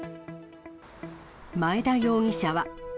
前田容疑者は。